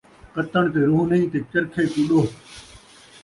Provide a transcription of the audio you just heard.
کتݨ تے روح نئیں تے چرکھے کوں ݙوہ